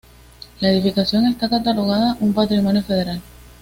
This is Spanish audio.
La edificación está catalogado un Patrimonio Federal.